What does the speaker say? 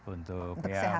untuk kesehatan ya